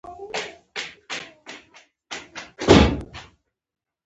آیا قوانین باید اسلامي نه وي؟